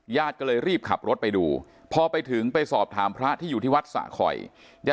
ญาติก็เลยรีบขับรถไปดูพอไปถึงไปสอบถามพระที่อยู่ที่วัดสะคอย